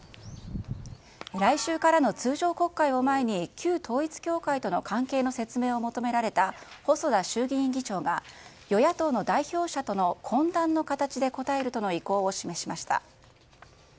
来週からの通常国会を前に旧統一教会との関係の説明を求められた細田衆議院議長が与野党の代表者との懇談の形で答えるとの意向を示しました。